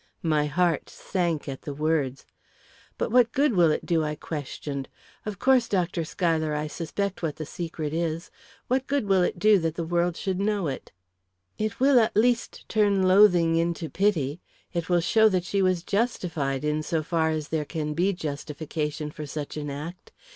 My heart sank at the words. "But what good will it do?" I questioned. "Of course, Dr. Schuyler, I suspect what the secret is. What good will it do that the world should know it?" "It will at least turn loathing into pity; it will show that she was justified, in so far as there can be justification for such an act.